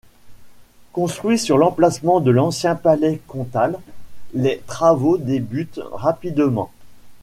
Construit sur l'emplacement de l'ancien Palais comtal, les travaux débutent rapidement.